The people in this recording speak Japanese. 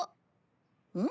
うん？